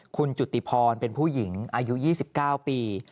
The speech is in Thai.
คุณจุติพรเป็นผู้หญิงอายุ๒๙ปี